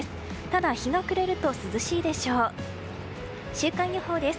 週間予報です。